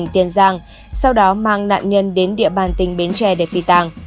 tiền giang sau đó mang nạn nhân đến địa bàn tỉnh bến tre để phi tàng